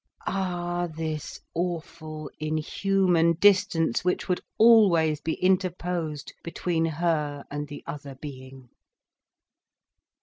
Ah, this awful, inhuman distance which would always be interposed between her and the other being!